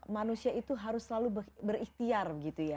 manusia itu harus selalu berikhtiar gitu ya